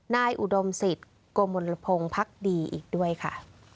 อุดมศิษย์โกมลพงศ์พักดีอีกด้วยค่ะ